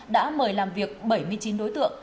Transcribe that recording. đã mời làm việc bảy mươi chín đối tượng